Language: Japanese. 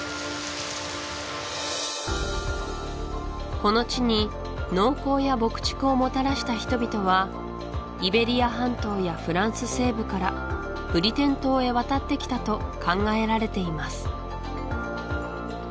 この地に農耕や牧畜をもたらした人々はイベリア半島やフランス西部からブリテン島へ渡ってきたと考えられています